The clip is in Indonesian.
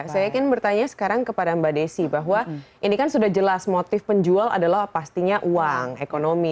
saya ingin bertanya sekarang kepada mbak desi bahwa ini kan sudah jelas motif penjual adalah pastinya uang ekonomi